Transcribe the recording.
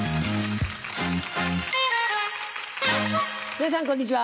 皆さんこんにちは。